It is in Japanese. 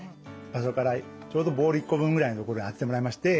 場所からちょうどボール１個分ぐらいの所に当ててもらいまして